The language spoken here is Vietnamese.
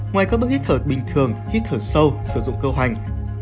ngoài các bước hít thở bình thường hít thở sâu sử dụng cơ hoành